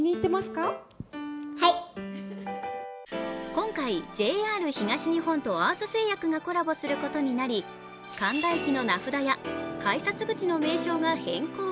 今回、ＪＲ東日本とアース製薬がコラボすることになり神田駅の名札や改札口の名称が変更。